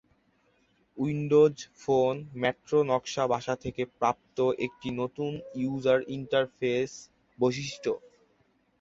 Windows Phone Metro নকশা ভাষা থেকে প্রাপ্ত একটি নতুন ইউজার ইন্টারফেস বৈশিষ্ট্য।